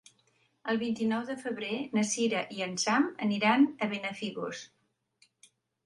El vint-i-nou de febrer na Sira i en Sam aniran a Benafigos.